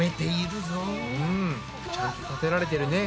うんちゃんとたてられてるね。